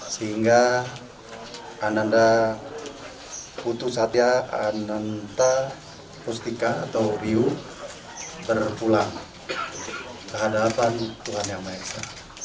sehingga ananda putusatya ananta pustika atau biuh berpulang kehadapan tuhan yang maha esa